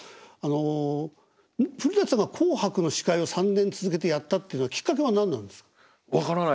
あの古さんが「紅白」の司会を３年続けてやったっていうのはきっかけは何なんですか？